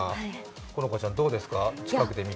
好花ちゃん、どうですか、近くで。